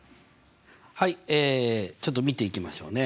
はいちょっと見ていきましょうね。